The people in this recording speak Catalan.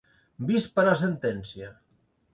Vist per a sentència.